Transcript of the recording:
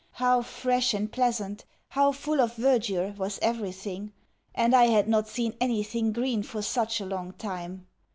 How fresh and pleasant, how full of verdure, was everything! And I had not seen anything green for such a long time!